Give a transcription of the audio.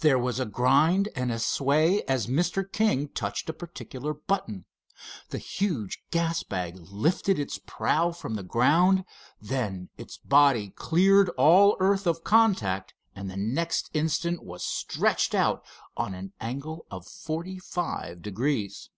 There was a grind and a sway as Mr. King touched a particular button. The huge gas bag lifted its prow from the ground, then its body cleared all earth of contact, and the next instant was stretched out on an angle of forty five degrees.